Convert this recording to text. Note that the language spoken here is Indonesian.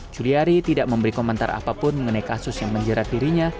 juliari tidak memberi komentar apapun mengenai kasus yang menjerat dirinya